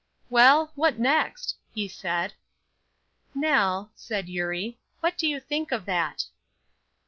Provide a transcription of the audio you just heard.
"Well, what next?" he said. "Nell," said Eurie, "what do you think of that?"